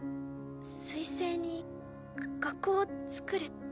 水星に学校つくるって。